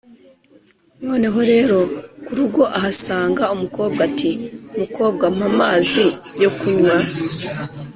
noneho rero ku rugo ahasanga umukobwa ati mukobwa mpa amazi yo kunywa.